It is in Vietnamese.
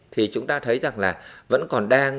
thì chúng ta thấy rằng là vẫn còn đang